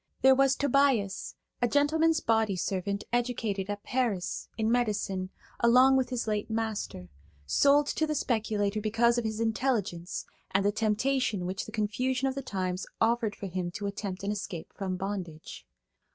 There was Tobias, a gentleman's body servant educated at Paris, in medicine, along with his late master, sold to the speculator because of his intelligence and the temptation which the confusion of the times offered for him to attempt an escape from bondage.